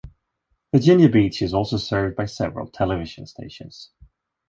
Virginia Beach is also served by several television stations.